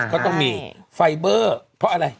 ก็ต้องมีไฟเบอร์เพราะอะไร